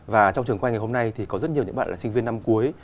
và trong trường quay ngày hôm nay thì có rất nhiều những bạn là sinh viên năm cuối